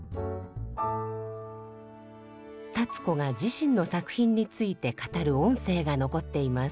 立子が自身の作品について語る音声が残っています。